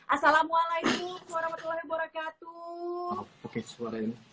assalamualaikum warahmatullahi wabarakatuh